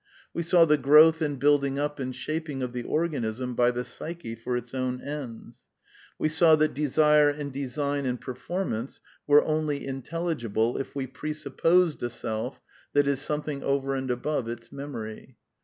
We saw the growth and building up and shaping of the organism by the psyche for its own ends. We saw that desire and design and performance were only intelligible if we presupposed a self that is something over and above its memory.